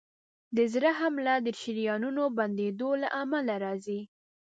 د زړه حمله د شریانونو بندېدو له امله راځي.